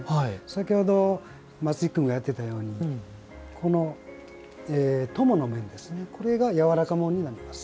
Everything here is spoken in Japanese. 先ほど松井君がやっていたように供の面、これがやわらかものになります。